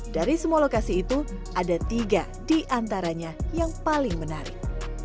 dari semua lokasi itu ada tiga di antaranya yang paling menarik